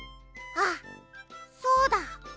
あっそうだ。